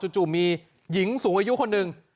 จู่มีหญิงสูงอายุคนหนึ่ง